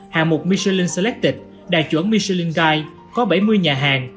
hạng mục michelin selected đài chuẩn michelin guide